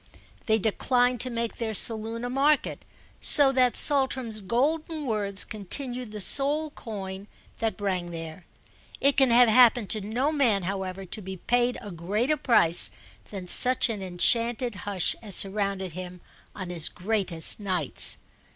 They declined to make their saloon a market, so that Saltram's golden words continued the sole coin that rang there. It can have happened to no man, however, to be paid a greater price than such an enchanted hush as surrounded him on his greatest nights.